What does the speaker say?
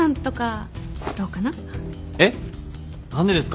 えっ？何でですか？